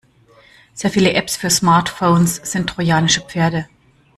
Sehr viele Apps für Smartphones sind trojanische Pferde.